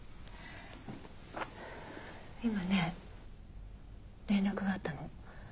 今ね連絡があったの。